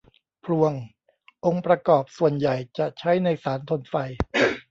พลวงองค์ประกอบส่วนใหญ่จะใช้ในสารทนไฟ